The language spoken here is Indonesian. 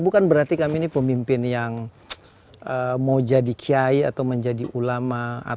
bukan berarti kami ini pemimpin yang mau jadi kiai atau menjadi ulama